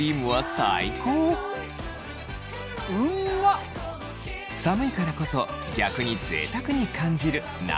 寒いからこそ逆にぜいたくに感じるなどなど。